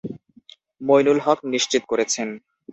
মঈনুল হক নিশ্চিত করেছেন।